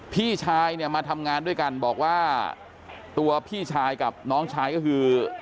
พี่ชายเนี่ยมาทำงานด้วยกันบอกว่าตัวพี่ชายกับน้องชายก็คือ